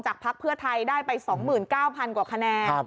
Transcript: จากพรรคเพื่อไทยได้ไป๒๙๐๐๐กว่าคะแนน